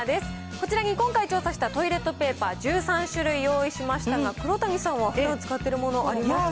こちらに今回調査したトイレットペーパー１３種類用意しましたが、黒谷さんは、ふだん使っているものありますか。